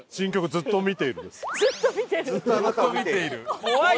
「ずっと見ている」。